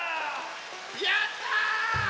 やった！